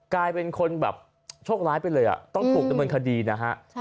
กลายเป็นคนแบบโชคร้ายไปเลยต้องถูกดำเนินคดีนะฮะ